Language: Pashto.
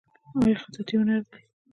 آیا خطاطي هنر دی؟